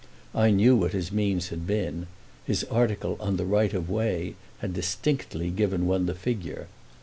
I knew what his means had been—his article on "The Right of Way" had distinctly given one the figure.